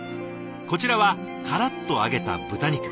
こちらはからっと揚げた豚肉。